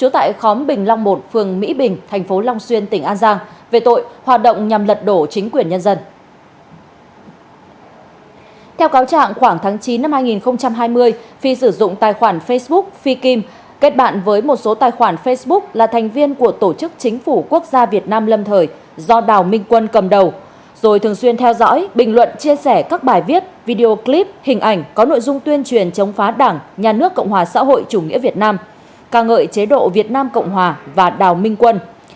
tại khoảng tháng chín năm hai nghìn hai mươi phi sử dụng tài khoản facebook phi kim kết bạn với một số tài khoản facebook là thành viên của tổ chức chính phủ quốc gia việt nam lâm thời do đào minh quân cầm đầu rồi thường xuyên theo dõi bình luận chia sẻ các bài viết video clip hình ảnh có nội dung tuyên truyền chống phá đảng nhà nước cộng hòa xã hội chủ nghĩa việt nam ca ngợi chế độ việt nam cộng hòa và đào minh quân